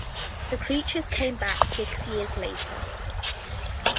The Creatures came back six years later.